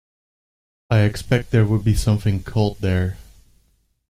I expect there would be something cold there.